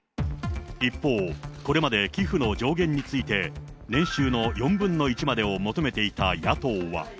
一方、これまで寄付の上限について、年収の４分の１までを求めていた野党は。